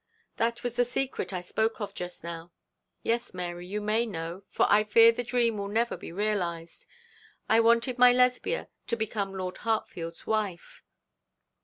'That was the secret I spoke of just now. Yes, Mary, you may know, for I fear the dream will never be realised. I wanted my Lesbia to become Lord Hartfield's wife.